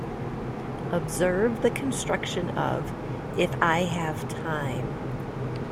Observe the construction of: if I have time.